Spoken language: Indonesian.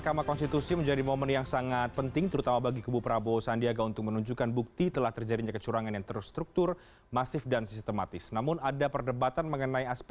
kalau kita dengarkan narasi kubu prabowo sandi tentu saja banyak hal hal yang bersifat kualitatif